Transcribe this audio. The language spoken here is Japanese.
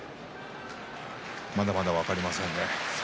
まだまだ分かりませんね。